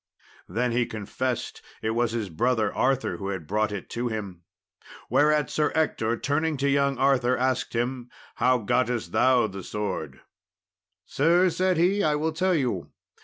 Then he confessed it was his brother Arthur who had brought it to him. Whereat Sir Ector, turning to young Arthur, asked him "How gottest thou the sword?" "Sir," said he, "I will tell you.